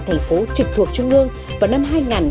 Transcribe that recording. thành phố trực thuộc trung ương vào năm